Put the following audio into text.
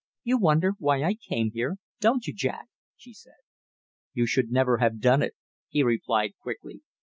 "You wonder why I came here, don't you, Jack?" she said. "You should never have done it!" he replied quickly.